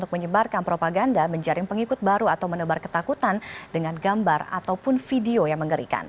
melancarkan aksi teror